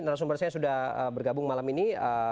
nasional sumbersnya sudah bergabung malam ini